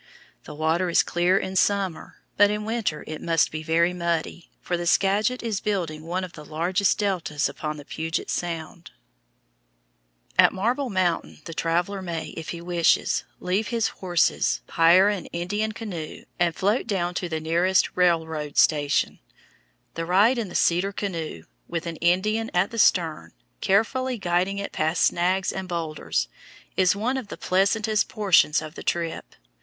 The water is clear in summer, but in winter it must be very muddy, for the Skagit is building one of the largest deltas upon Puget Sound. [Illustration: FIG. 56. SKAGIT RIVER IN ITS MIDDLE COURSE] At Marble Mountain the traveller may, if he wishes, leave his horses, hire an Indian canoe, and float down the river to the nearest railroad station. The ride in the cedar canoe, with an Indian at the stern carefully guiding it past snags and boulders, is one of the pleasantest portions of the trip.